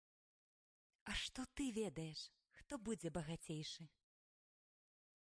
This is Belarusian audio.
А што ты ведаеш, хто будзе багацейшы?!